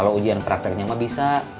kalau ujian prakteknya mah bisa